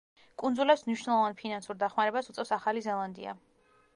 კუნძულებს მნიშვნელოვან ფინანსურ დახმარებას უწევს ახალი ზელანდია.